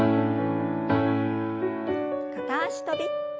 片脚跳び。